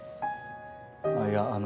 あっいやあの。